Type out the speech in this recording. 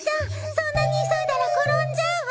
そんなに急いだら転んじゃうわ。